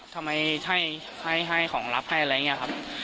ทำไมเองให้ของลับที่ละครับ